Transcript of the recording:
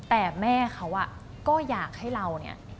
แต่แม่เขาก็อยากให้เราเนี่ย